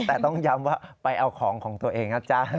แต่ต้องย้ำว่าไปเอาของของตัวเองนะจ๊ะ